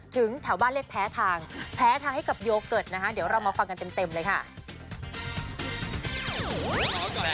ถึงแถวบ้านเลขแพ้ทางแพ้ทางให้กับโยเกิร์ตนะคะเดี๋ยวเรามาฟังกันเต็มเลยค่ะ